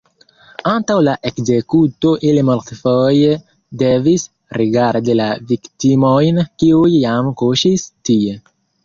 Antaŭ la ekzekuto ili multfoje devis rigardi la viktimojn, kiuj jam kuŝis tie.